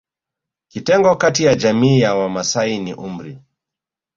Kitengo kati ya jamii ya Wamasai ni umri